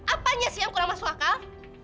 apanya sih yang kurang masuk akal